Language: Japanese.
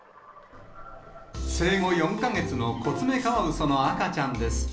生後４か月のコツメカワウソの赤ちゃんです。